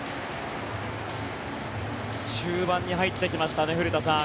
中盤に入ってきましたね古田さん。